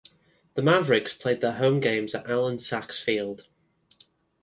The Mavericks played their home games at Allan Saxe Field.